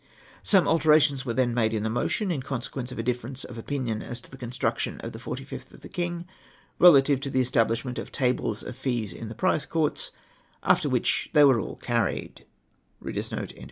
"Some alterations were then made in the motion, in con sequence of a difference of opinion as to the construction of ■the 45th of the King, relative to the establishment of tables of fees in the Prize Courts, after which they were all carried."